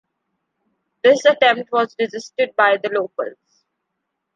This attempt was resisted by the locals.